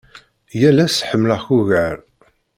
Yal ass ḥemmleɣ-k ugar.